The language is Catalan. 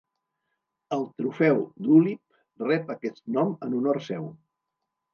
El trofeu Duleep rep aquest nom en honor seu.